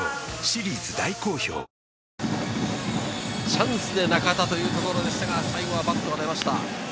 チャンスで中田というところでしたが、最後はバットが出ました。